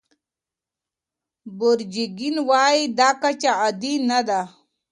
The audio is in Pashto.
بورجیګین وايي دا کچه عادي نه ده.